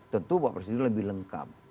tentu pak presiden lebih lengkap